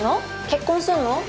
結婚すんの？